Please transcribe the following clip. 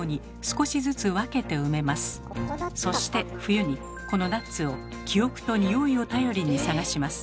そして冬にこのナッツを記憶と匂いを頼りに探します。